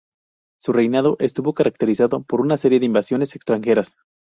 Su reinado estuvo caracterizado por una serie de invasiones extranjeras.